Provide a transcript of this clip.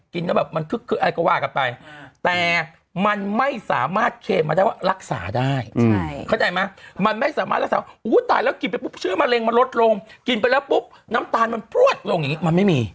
เข้ามาแล้วแบบจมัลเร็งมันกินไปแล้วก็ลดลงกินแล้วน้ำตาลมันรวดมันไม่มี